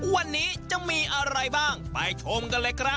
วันนี้จะมีอะไรบ้างไปชมกันเลยครับ